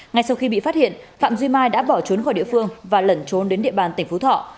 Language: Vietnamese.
ngay sau khi bị phát hiện phạm duy mai đã bỏ trốn khỏi địa phương và lẩn trốn đến địa bàn tỉnh phú thọ